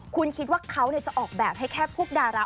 คุณคิดว่าเขาจะออกแบบให้แค่พวกดารา